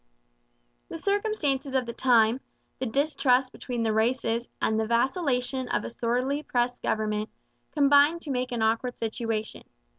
The circumstances of the time, the distrust between the races and the vacillation of a sorely pressed government, combined to make an awkward situation.